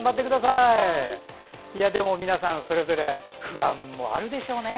皆さん、それぞれ不安もあるでしょうね。